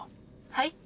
はい？